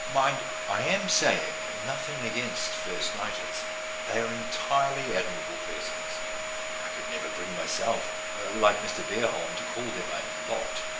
Mind, I am saying nothing against first nighters. They are entirely admirable persons— I could never bring myself, like Mr. Iker bohm, to call them a lot.